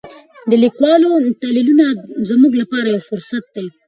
د لیکوالو تلینونه زموږ لپاره یو فرصت دی.